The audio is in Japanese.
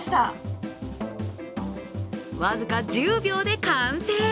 僅か１０秒で完成。